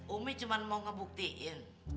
umi cuman mau ngebuktiin